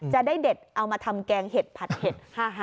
จะได้เด็ดเอามาทำแกงเห็ดผัดเห็ด๕๕